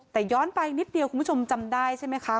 แต่ย้อนไปนิดเดียวคุณผู้ชมจำได้ใช่ไหมคะ